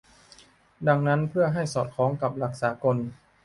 ดังนั้น เพื่อให้สอดคล้องกับหลักสากล